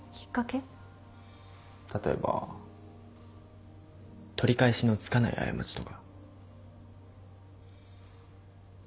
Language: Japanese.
例えば取り返しのつかない過ちとか。